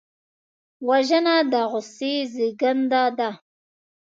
وژنه د غصې زېږنده ده